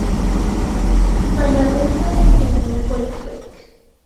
Mae 'na lwynog yn byw yn y goedwig.